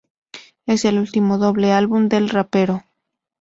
Es el último doble álbum del rapero.